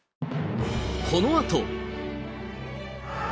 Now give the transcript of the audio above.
このあと。